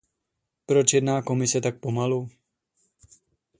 Proč jedná Komise tak pomalu?